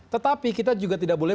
tetapi kita juga tidak boleh